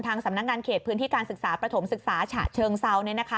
ทางสำนักงานเขตพื้นที่การศึกษาประถมศึกษาฉะเชิงเซาเนี่ยนะคะ